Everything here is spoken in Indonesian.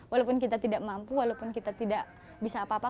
walaupun kita tidak mampu walaupun kita tidak bisa apa apa